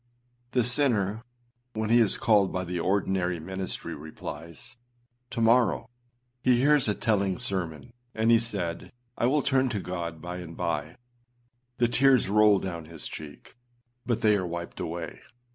â The sinner, when he is called by the ordinary ministry, replies, âTo morrow.â He hears a telling sermon, and he said, âI will turn to God by and bye.â The tears roll down his cheek, but they are wiped away.